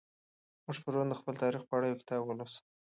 موږ پرون د خپل تاریخ په اړه یو کتاب ولوست.